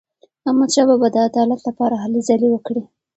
احمدشاه بابا د عدالت لپاره هلې ځلې وکړې.